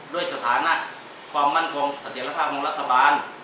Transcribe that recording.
ด้วยสถานะความมั่นคงเสถียรภาพของรัฐบาล